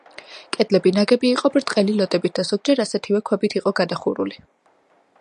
კედლები ნაგები იყო ბრტყელი ლოდებით და ზოგჯერ ასეთივე ქვებით იყო გადახურული.